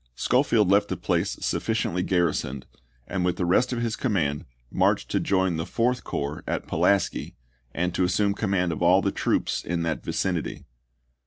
Schofield left the place sufficiently garrisoned, and with the rest of his command marched to join the Fourth Corps at Pulaski, and to assume command of all the troops in that vicinity.